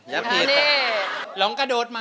อย่าผิด